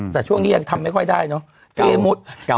แต่ช่วงนี้ยังทำไม่ค่อยได้เนอะ